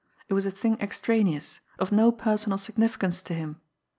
It was a thing extraneous, of no personal significance to him!